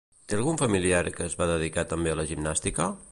Té algun familiar que es va dedicar també a la gimnàstica?